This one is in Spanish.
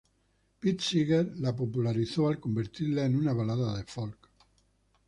Pete Seeger la popularizó al convertirla en una balada de folk.